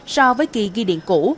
so với kỳ ghi điện cũ